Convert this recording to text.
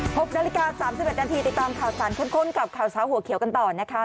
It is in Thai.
พบนาฬิกา๓๑นาทีติดตามข่าวสารขึ้นข้นกับข่าวสารหัวเขียวกันต่อนะคะ